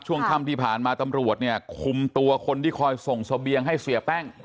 ช่วงค่ำที่ผ่านมาตำรวจเนี่ยคุมตัวคนที่คอยส่งเสบียงให้เสียแป้ง